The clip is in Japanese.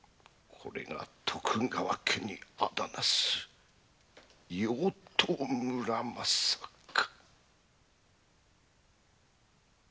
これが徳川家に仇なす妖刀村正か。